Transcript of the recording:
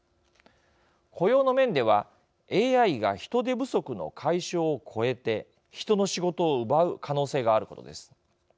雇用の面ではＡＩが人手不足の解消を超えて人の仕事を奪う可能性があることです。